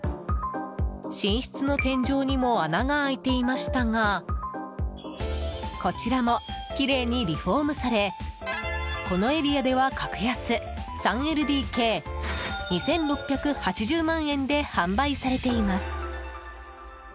寝室の天井にも穴が開いていましたがこちらもきれいにリフォームされこのエリアでは格安３ＬＤＫ２６８０万円で販売されています。